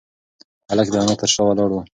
هلک د انا تر شا ولاړ و.